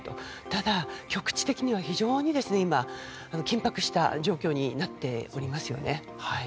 ただ、局地的には非常に今緊迫した状況になっています。